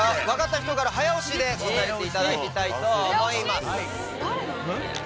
分かった人から早押しで答えていただきたいと思います。